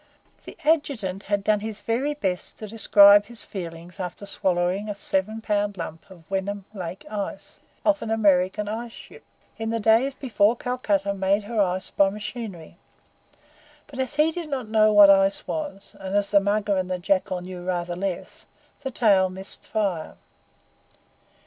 The Adjutant had done his very best to describe his feelings after swallowing a seven pound lump of Wenham Lake ice, off an American ice ship, in the days before Calcutta made her ice by machinery; but as he did not know what ice was, and as the Mugger and the Jackal knew rather less, the tale missed fire.